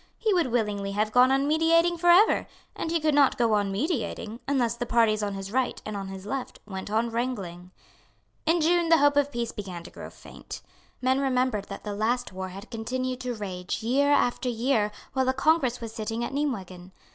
He would willingly have gone on mediating for ever; and he could not go on mediating, unless the parties on his right and on his left went on wrangling. In June the hope of peace began to grow faint. Men remembered that the last war had continued to rage, year after year, while a congress was sitting at Nimeguen.